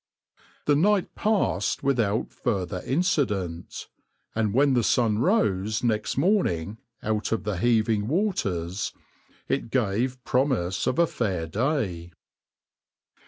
The night passed without further incident, and when the sun rose next morning out of the heaving waters it gave promise of a fair day.